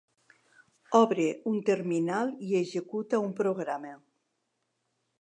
Obre un terminal i executa un programa.